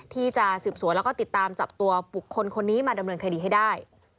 ที่จะสืบสวนแล้วก็ติดตามจับตัวบุคคลคนนี้มาดำเนินคดีให้ได้